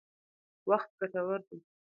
وخت ګټور دی.